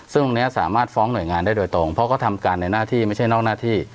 ซึ่งตรงนี้สามารถฟ้องหน่วยงานได้โดยตรงเพราะเขาทำการในหน้าที่ไม่ใช่นอกหน้าที่